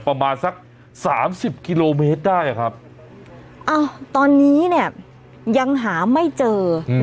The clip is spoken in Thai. ประมาณสักสามสิบกิโลเมตรได้อ่ะครับอ้าวตอนนี้เนี่ยยังหาไม่เจออืม